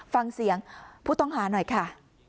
ฟังเสียงผู้ต้องหาหน่อยค่ะ